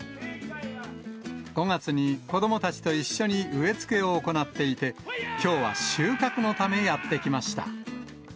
５月に子どもたちと一緒に植え付けを行っていて、きょうは収穫のためやって来ました。